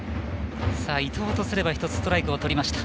伊藤とすれば１つストライクをとりました。